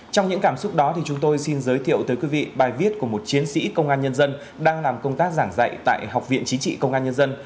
trong những cảm xúc đó chúng tôi xin giới thiệu tới quý vị bài viết của một chiến sĩ công an nhân dân đang làm công tác giảng dạy tại học viện chính trị công an nhân dân